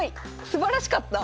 すばらしかった！